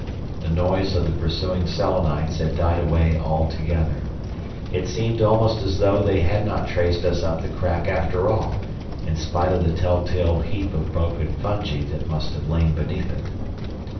The noise of the pursuing Selenites had died away altogether. It seemed almost as though they had not traced us up the crack after all, in spite of the tell tale heap of broken fungi that must have lain beneath it.